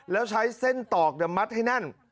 แล้วใช้เส้นตอกมัดให้แน่น